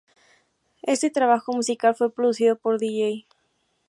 Este trabajo musical fue producido por Dj.